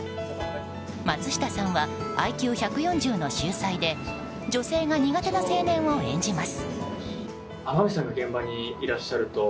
松下さんはＩＱ１４０の秀才で女性が苦手な青年を演じます。